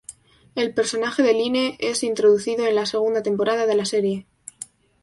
El personaje de Lynne es introducido en la segunda temporada de la serie.